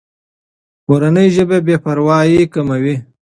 مورنۍ ژبه بې پروایي کموي.